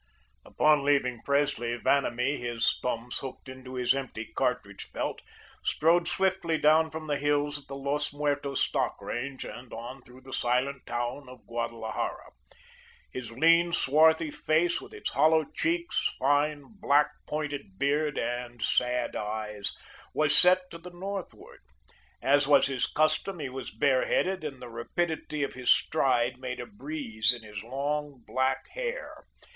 Upon leaving Presley, Vanamee, his thumbs hooked into his empty cartridge belt, strode swiftly down from the hills of the Los Muertos stock range and on through the silent town of Guadalajara. His lean, swarthy face, with its hollow cheeks, fine, black, pointed beard, and sad eyes, was set to the northward. As was his custom, he was bareheaded, and the rapidity of his stride made a breeze in his long, black hair.